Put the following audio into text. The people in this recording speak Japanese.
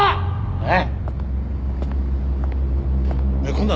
えっ？